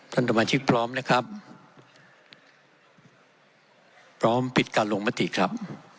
พร้อมปิดการลงมติครับ